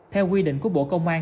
theo quy định của bộ công an